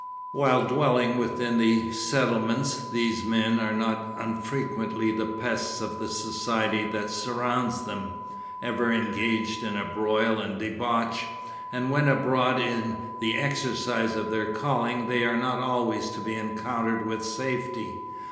While dwelling within the settlements, these men are not unfrequently the pests of the society that surrounds them ever engaged in broil and debauch; and when abroad in the exercise of their calling, they are not always to be encountered with safety.